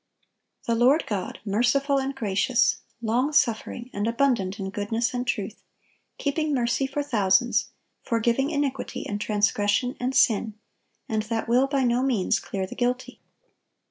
"The Lord God, merciful and gracious, long suffering, and abundant in goodness and truth, keeping mercy for thousands, forgiving iniquity and transgression and sin, and that will by no means clear the guilty."